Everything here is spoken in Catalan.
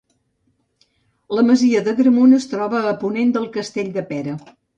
La masia d'Agramunt es troba a ponent del castell de Pera.